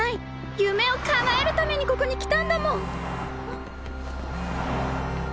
ゆめをかなえるためにここにきたんだもん！